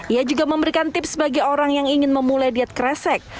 ia juga memberikan tips bagi orang yang ingin memulai diet kresek